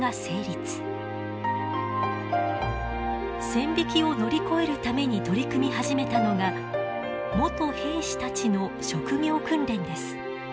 線引きを乗り越えるために取り組み始めたのが元兵士たちの職業訓練です。